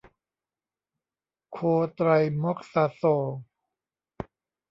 โคไตรม็อกซาโซล